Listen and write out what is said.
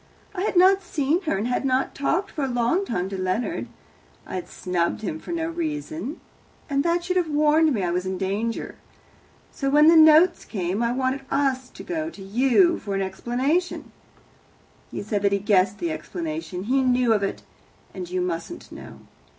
I had not seen her, and had talked for a long time to Leonard I had snubbed him for no reason, and that should have warned me I was in danger. So when the notes came I wanted us to go to you for an explanation. He said that he guessed the explanation he knew of it, and you mustn't know.